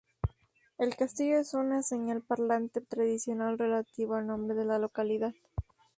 El castillo es una señal parlante tradicional relativo al nombre de la localidad.